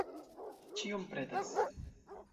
Ĉiom pretas.